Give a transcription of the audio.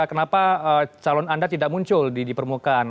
kenapa calon anda tidak muncul di permukaan